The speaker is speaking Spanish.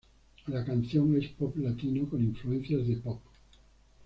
La canción es pop latino con influencias de pop.